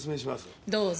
どうぞ。